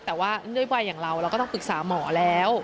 แต่ว่าด้วยวัยอย่างเราเราก็ต้องปรึกษาหมอแล้ว